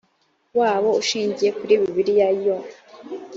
wabo ushingiye kuri bibiliya yoh